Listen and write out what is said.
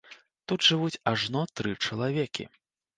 Тут жывуць ажно тры чалавекі.